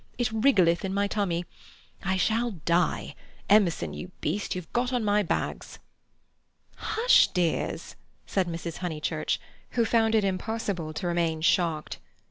It wriggleth in my tummy. I shall die—Emerson you beast, you've got on my bags." "Hush, dears," said Mrs. Honeychurch, who found it impossible to remain shocked.